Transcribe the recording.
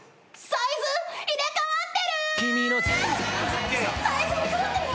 サイズ入れ替わってるよね。